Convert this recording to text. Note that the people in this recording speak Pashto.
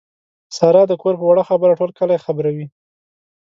ساره د کور په وړه خبره ټول کلی خبروي.